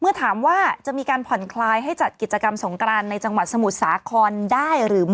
เมื่อถามว่าจะมีการผ่อนคลายให้จัดกิจกรรมสงกรานในจังหวัดสมุทรสาครได้หรือไม่